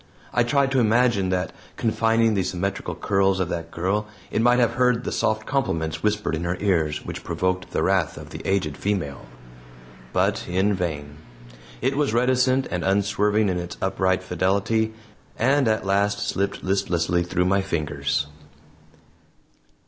I tried to imagine that, confining the symmetrical curls of that girl, it might have heard the soft compliments whispered in her ears which provoked the wrath of the aged female. But in vain. It was reticent and unswerving in its upright fidelity, and at last slipped listlessly through my fingers.